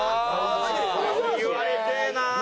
言われてえなあ。